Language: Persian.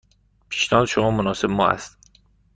پیشنهاد شما مناسب ما است.